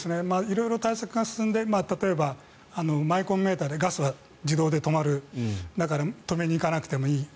色々対策が進んで例えばマイコンメーターでガスが自動で止まるだから止めに行かなくてもいい。